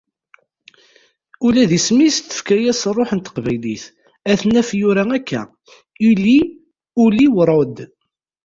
ula d isem-is tefka-as rruḥ n Teqbaylit, ad t-naf yura akka Uli ul-iw Rohde.